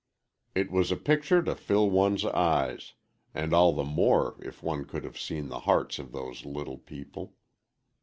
It was a picture to fill one's eyes, and all the more if one could have seen the hearts of those little people.